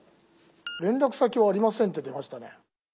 「連絡先はありません」って出ましたね。